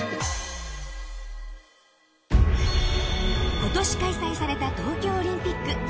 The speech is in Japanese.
今年開催された東京オリンピック。